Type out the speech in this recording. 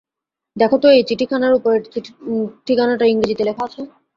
দেখো তো এই চিঠিখানার ওপরের ঠিকানাটা ইংরিজিতে কি লেখা আছে!